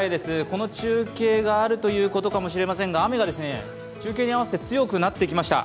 この中継があるということもしれませんが、雨が中継に合わせて強くなってきました。